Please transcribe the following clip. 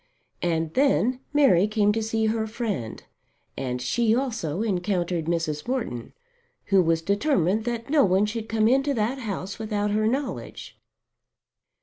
And then Mary came to see her friend, and she also encountered Mrs. Morton, who was determined that no one should come into that house without her knowledge.